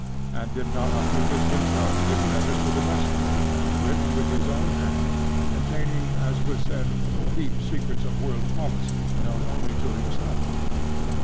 And did not Aufugus himself give letters to the messenger, written with his own hand, containing, as was said, deep secrets of worldly policy, known only to himself?